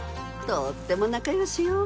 とっても仲良しよ。